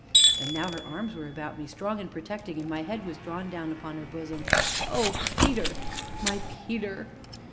And now her arms were about me, strong and protecting, and my head was drawn down upon her bosom. "Oh, Peter! my Peter!"